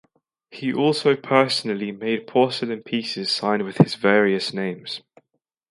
He also personally made porcelain pieces signed with his various names.